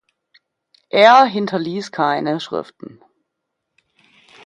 Er hinterließ keine Schriften.